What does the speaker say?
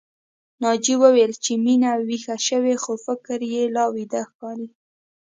ناجيې وويل چې مينه ويښه شوې خو فکر يې لا ويده ښکاري